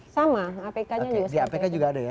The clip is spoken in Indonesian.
sama di apk juga ada ya